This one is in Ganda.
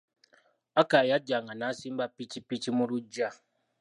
Akaya yajjanga n'asimba pikipiki mu lugya..